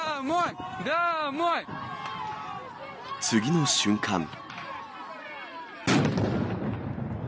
次の瞬間。